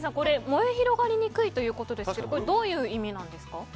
燃え広がりにくいということですけどどういう意味なんですか。